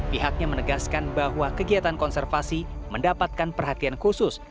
pihaknya menegaskan bahwa kegiatan konservasi mendapatkan perhatian khusus